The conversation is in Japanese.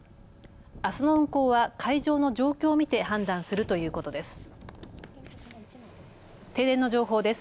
あすの運航は海上の状況を見て判断するということです。